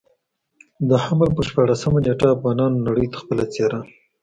د حمل پر شپاړلسمه نېټه افغانانو نړۍ ته خپله څېره.